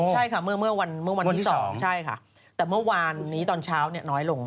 ใช่ค่ะเมื่อวันที่๒ใช่ค่ะแต่เมื่อวานนี้ตอนเช้าน้อยลง